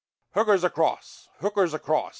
Hooker's across! Hooker's across!